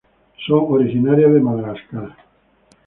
Son originarias de Madagascar.